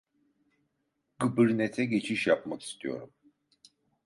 Gıbırnete geçiş yapmak istiyorum